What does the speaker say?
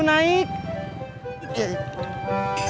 emang nggak jadi